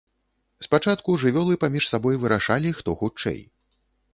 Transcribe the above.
Спачатку жывёлы паміж сабой вырашалі, хто хутчэй.